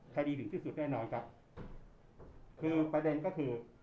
คดีถึงที่สุดแน่นอนครับคือประเด็นก็คือ